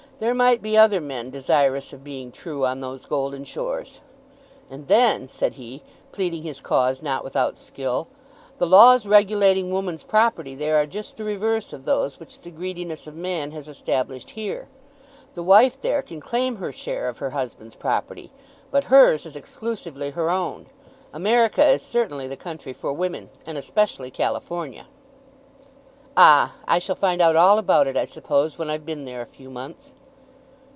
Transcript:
There might be other men desirous of being true on those golden shores. "And then," said he, pleading his cause not without skill, "the laws regulating woman's property there are just the reverse of those which the greediness of man has established here. The wife there can claim her share of her husband's property, but hers is exclusively her own. America is certainly the country for women, and especially California." "Ah; I shall find out all about it, I suppose, when I've been there a few months."